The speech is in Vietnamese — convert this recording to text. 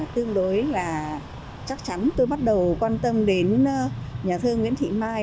tương đối là chắc chắn tôi bắt đầu quan tâm đến nhà thơ nguyễn thị mai